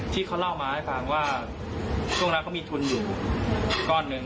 ที่เขาเล่ามาให้ฟังว่าช่วงนั้นเขามีทุนอยู่ก้อนหนึ่ง